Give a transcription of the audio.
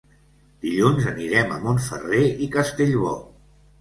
Dilluns anirem a Montferrer i Castellbò.